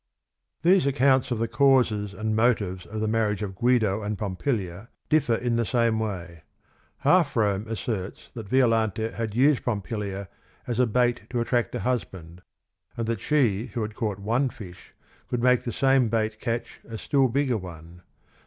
The accounts of the causes and motives of the marriage of Guido and Pompilia differ in the same way. H alf Rome asser ts that Vi olante had used Pompilia as a bait to attract a""Eusban d and that she "who had c aught one fish could make the same _bait catch a _s jill_hieger one.